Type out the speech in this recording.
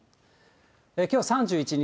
きょう３１日